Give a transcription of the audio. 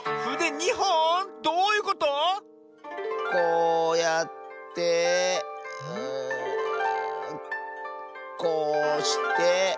２ほん⁉どういうこと⁉こうやってこうして。